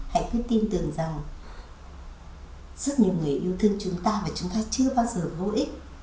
hãy cứ tin tưởng rằng rất nhiều người yêu thương chúng ta và chúng ta chưa bao giờ vô ích